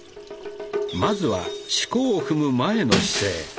まずは四股を踏む前の姿勢